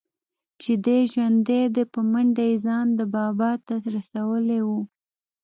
چې دى ژوندى دى په منډه يې ځان ده بابا ته رسولى و.